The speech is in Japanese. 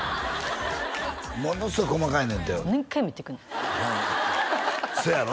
ものすごい細かいねんて何回も言ってくるのせやろ？